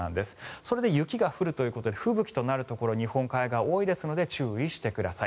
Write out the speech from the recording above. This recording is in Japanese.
それで雪が降るということで吹雪になるところ日本海側を多いので注意してください。